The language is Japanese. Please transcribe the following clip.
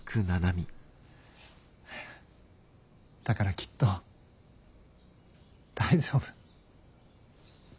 だからきっと大丈夫。